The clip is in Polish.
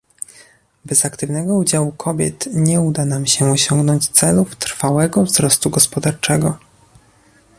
Bez aktywnego udziału kobiet nie uda nam się osiągnąć celów trwałego wzrostu gospodarczego